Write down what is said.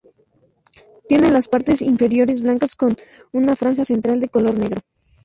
Tiene las partes inferiores blancas con una franja central de color negro.